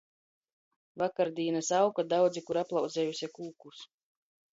Vakardīnys auka daudzi kur aplauzejuse kūkus.